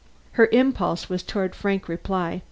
Her impulse was toward a frank reply.